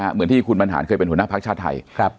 เหมือนที่คุณบรรหารเคยเป็นหัวหน้าพักชาติไทย